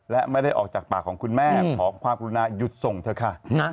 และไม่ได้ออกจากปากของคุณแม่ขอความกรุณาหยุดส่งเถอะค่ะ